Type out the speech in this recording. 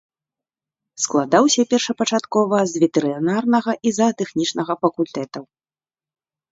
Складаўся першапачаткова з ветэрынарнага і заатэхнічнага факультэтаў.